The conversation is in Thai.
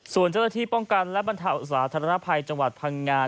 ส่วนเจ้าหน้าที่ป้องกันและบรรเทาอุสาธารณภัยจังหวัดพังงา